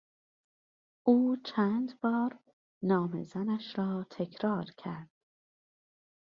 او چند بار نام زنش را تکرار کرد.